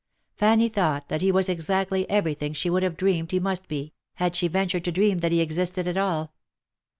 Fanny thought that he was exactly every thing she would have dreamed he must be, had she ventured to dream that he existed at all.